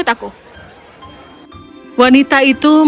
dia di di luar